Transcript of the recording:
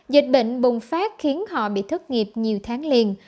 dịch bệnh bùng phát khiến họ bị thất nghiệp nhiều tháng liền